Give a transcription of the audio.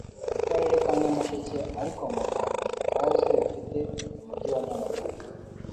mu Karere ka Nyamasheke ariko ngo nta kazi kazwi bafite mu mujyi wa Nyamagabe